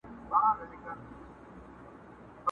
ژوند لکه لمبه ده بقا نه لري،